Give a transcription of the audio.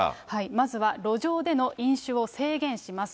まずは路上での飲酒を制限します。